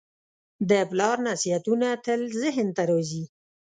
د پلار نصیحتونه تل ذهن ته راځي.